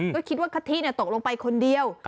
ก็คิดว่ากะทิตกลงไปคนเดียว